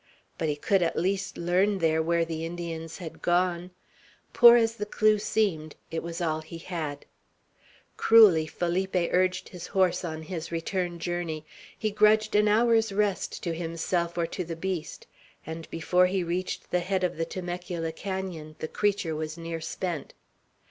But he could at least learn there where the Indians had gone. Poor as the clew seemed, it was all he had. Cruelly Felipe urged his horse on his return journey. He grudged an hour's rest to himself or to the beast; and before he reached the head of the Temecula canon the creature was near spent.